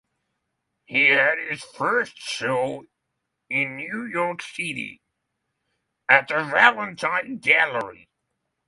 He had his first show in New York City at the Valentine Gallery.